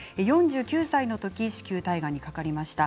４９歳のときに子宮体がんにかかりました。